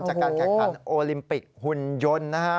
จากการแข่งขันโอลิมปิกหุ่นยนต์นะฮะ